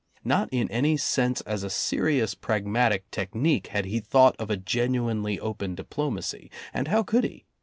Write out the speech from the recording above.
Not in any sense as a serious pragmatic technique had he thought of a genuinely open diplomacy. And how could he?